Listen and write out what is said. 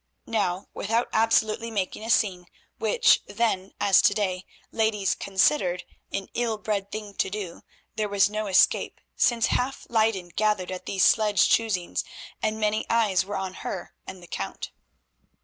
Now, without absolutely making a scene, which then, as to day, ladies considered an ill bred thing to do, there was no escape, since half Leyden gathered at these "sledge choosings," and many eyes were on her and the Count.